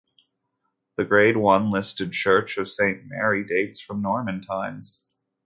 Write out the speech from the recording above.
The grade one listed Church of Saint Mary dates from Norman times.